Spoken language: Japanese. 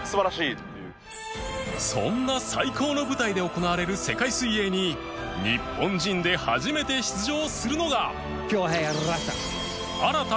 そんな最高の舞台で行われる世界水泳に日本人で初めて出場するのが